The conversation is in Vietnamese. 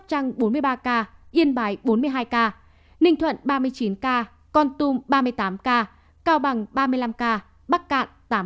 hà ninh một trăm hai mươi sáu ca lòng an năm mươi tám ca điện biên năm mươi năm ca lai châu bốn mươi chín ca sóc trăng bốn mươi ba ca yên bái bốn mươi hai ca ninh thuận ba mươi chín ca con tum ba mươi tám ca cao bằng ba mươi năm ca bắc cạn tám ca